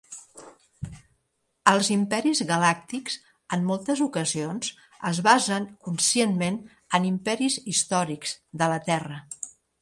Els imperis galàctics, en moltes ocasions, es basen conscientment en imperis històrics de la Terra.